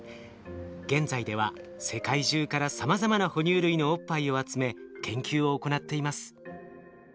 現在では世界中からさまざまな哺乳類のおっぱいを集め研究を行っています。